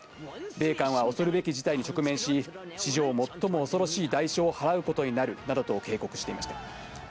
米韓は恐るべき事態に直面し、史上最も恐ろしい代償を払うことになるなどと警告していました。